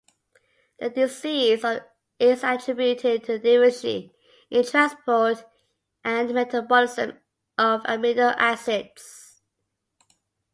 The disease is attributed to deficiency in transport and metabolism of amino acids.